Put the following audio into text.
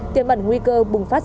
tiêu mẩn nguy cơ bùng phát dịch